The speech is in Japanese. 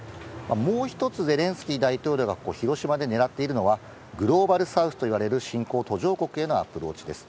もう一つゼレンスキー大統領がここ、広島でねらっているのは、グローバルサウスと呼ばれる振興途上国へのアプローチです。